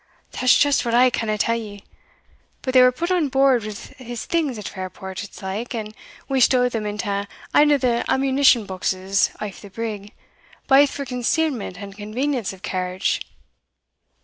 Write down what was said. "That's just what I canna tell ye But they were put on board wi' his things at Fairport, it's like, and we stowed them into ane o' the ammunition boxes o' the brig, baith for concealment and convenience of carriage."